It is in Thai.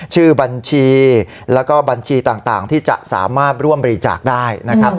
ชื่อบัญชีแล้วก็บัญชีต่างที่จะสามารถร่วมบริจาคได้นะครับ